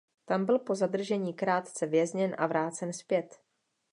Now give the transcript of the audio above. Tam byl po zadržení krátce vězněn a vrácen zpět.